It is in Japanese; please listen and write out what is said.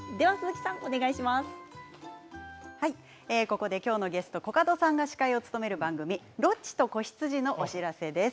ここで今日のゲストコカドさんが司会を務める番組「ロッチと子羊」のお知らせです。